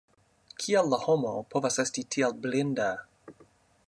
Kiel la homo povas esti tiel blinda?